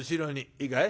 いいかい？